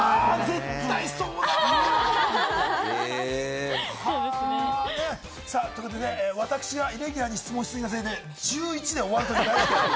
絶対そうだ。ということで、私がイレギュラーに質問したせいで、１１で終わることになりました。